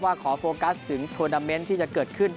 ขอโฟกัสถึงทวนาเมนต์ที่จะเกิดขึ้น